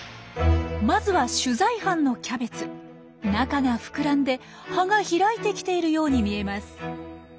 まずは中が膨らんで葉が開いてきているように見えます。